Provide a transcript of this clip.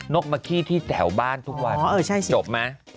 นกมาขี้ที่แถวบ้านทุกวันจบมั้ยเนี่ยระวังเลยตีเดียวอ๋อเออใช่สิ